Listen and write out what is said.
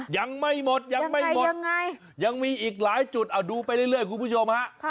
ยังไม่หมดยังไม่หมดยังมีอีกหลายจุดดูไปเรื่อยคุณผู้ชมฮะ